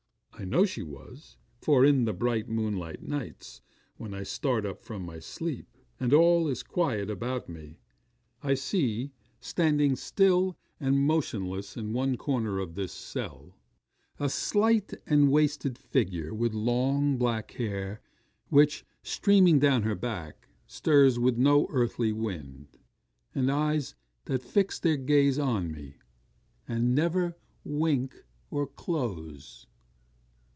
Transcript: I know she was; for in the bright moonlight nights, when I start up from my sleep, and all is quiet about me, I see, standing still and motionless in one corner of this cell, a slight and wasted figure with long black hair, which, streaming down her back, stirs with no earthly wind, and eyes that fix their gaze on me, and never wink or close.